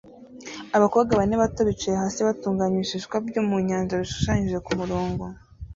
Abakobwa bane bato bicaye hasi batunganya ibishishwa byo mu nyanja bishushanyije kumurongo